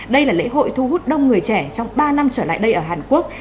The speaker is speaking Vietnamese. đây là lễ hội thu hút đông người trẻ trong ba năm trở lại đây ở hàn quốc